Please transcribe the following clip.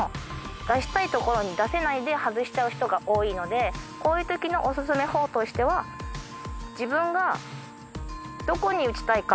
出したいところに出せないで外しちゃう人が多いのでこういうときのオススメ法としては自分がどこに打ちたいか。